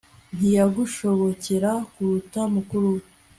ntiyagushobokera kuruta mukuru we